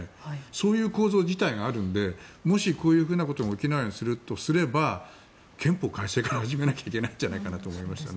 そういう構造自体があるのでもしこういうことが起きないようにするとすれば憲法改正から始めなきゃいけないんじゃないかと思いましたね。